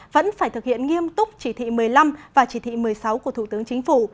vẫn phải thực hiện nghiêm túc chỉ thị một mươi năm và chỉ thị một mươi sáu của thủ tướng chính phủ